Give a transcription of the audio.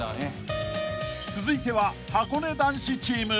［続いてははこね男子チーム］